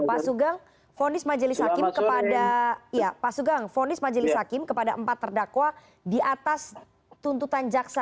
pak sugeng fonis majelis hakim kepada empat terdakwa di atas tuntutan jaksa